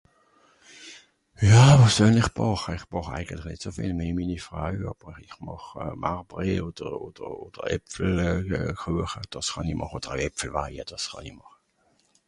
ja wàs tuen ich bàche? ich bàch eigentli nitt zü viel wie mini Frai, aber ich màch Marbré oder oder oder Äpfel euh kueche, dàss kànn ich màche, oder Äfpelwaje, dàss kànn i màche